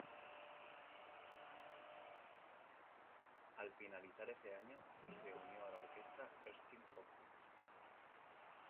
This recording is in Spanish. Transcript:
Al finalizar ese año, se unió a la orquesta Erskine Hawkins.